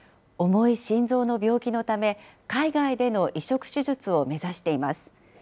重い心臓の病気のため、海外での移植手術を目指しています。